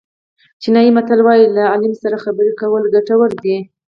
چینایي متل وایي له عالم سره خبرې کول ګټور دي.